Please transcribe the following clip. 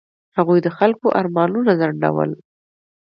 هغوی د خلکو ارمانونه ځنډول.